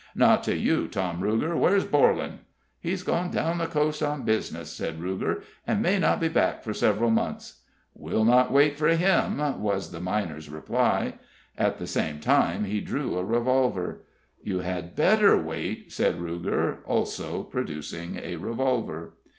"Not to you, Tom Ruger! Where's Borlan?" "He's gone down the coast on business," said Ruger, "and may not be back for several months." "We'll not wait for him" was the miner's reply. At the same time he drew a revolver. "You had better wait," said Ruger, also producing a revolver.